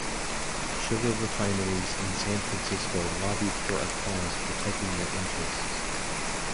Sugar refineries in San Francisco lobbied for a clause protecting their interests.